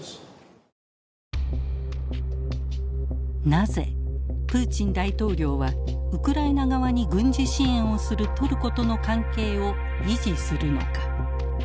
なぜプーチン大統領はウクライナ側に軍事支援をするトルコとの関係を維持するのか。